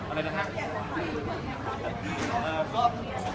อะไรนะครับ